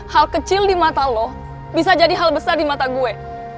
hal kecil di mata lo bisa jadi hal besar di mata gue